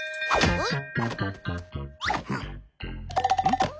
えっ？